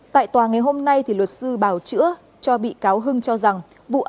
tại tòa ngày hôm nay luật sư bào chữa cho bị cáo hưng cho rằng vụ án này